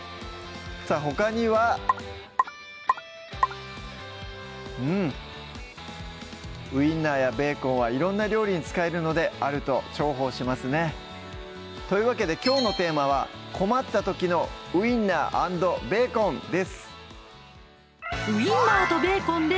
さぁほかにはうんウインナーやベーコンは色んな料理に使えるのであると重宝しますねというわけできょうのテーマは「困った時のウインナー＆ベーコン」です